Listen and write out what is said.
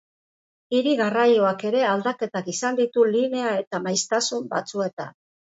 Hiri garraioak ere aldaketak izan ditu linea eta maiztasun batzuetan.